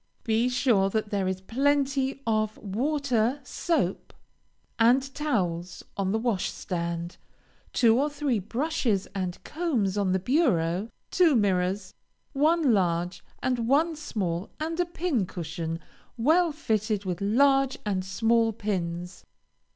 Be sure that there is plenty of water, soap and towels on the washstand, two or three brushes and combs on the bureau, two mirrors, one large and one small, and a pin cushion, well filled with large and small pins.